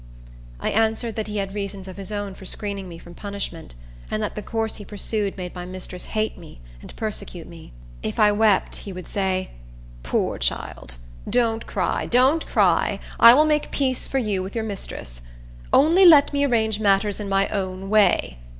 I answered that he had reasons of his own for screening me from punishment, and that the course he pursued made my mistress hate me and persecute me. If I wept, he would say, "Poor child! Don't cry! don't cry! I will make peace for you with your mistress. Only let me arrange matters in my own way.